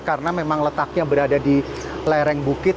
karena memang letaknya berada di lereng bukit